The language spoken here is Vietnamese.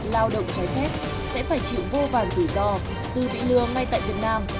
lao động trái phép sẽ phải chịu vô vàn rủi ro từ bị lừa ngay tại việt nam